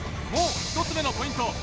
もう１つ目のポイント